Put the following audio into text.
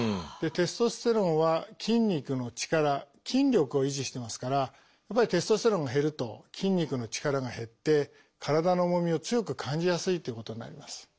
テストステロンは筋肉の力筋力を維持してますからやっぱりテストステロンが減ると筋肉の力が減って体の重みを強く感じやすいということになります。